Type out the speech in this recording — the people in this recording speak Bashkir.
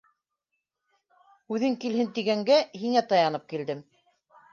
Үҙең килһен тигәнгә, һиңә таянып килдем.